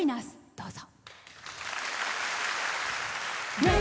どうぞ。